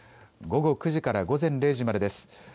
午後９時から午前０時までです。